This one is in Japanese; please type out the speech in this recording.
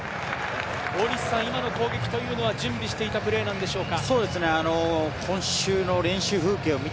今の攻撃というのは準備していたプレーなんでしょうか？